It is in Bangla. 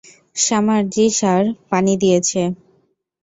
সামার জি সাড়, পানি দিয়েছে।